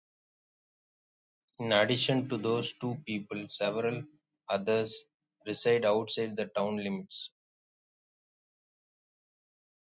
In addition to those two people, several others reside outside the town limits.